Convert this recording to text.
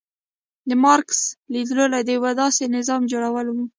د مارکس لیدلوری د یو داسې نظام جوړول و.